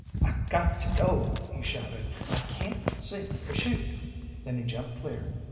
"I got to," he shouted, "I cayn't see to shoot!" Then he jumped clear.